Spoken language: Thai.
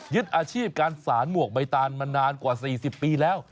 อาชีพการสารหมวกใบตานมานานกว่า๔๐ปีแล้ว